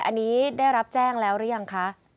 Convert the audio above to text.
อันนี้ได้รับแจ้งแล้วหรือยังคะ